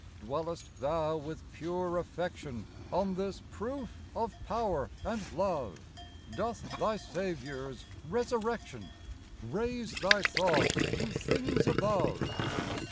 Dwellest thou with pure affection On this proof of power and love ? Doth thy Saviour's resurrection Raise thy thoughts to things above